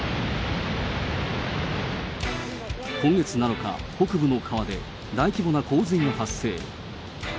今月７日、北部の川で大規模な洪水が発生。